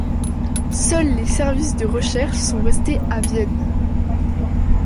Seuls les services de recherches sont restés à Vienne.